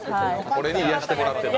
これに癒やしてもらっていたと。